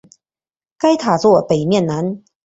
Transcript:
该塔座北面南。